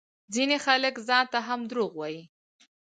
ځينې خلک ځانته هم دروغ وايي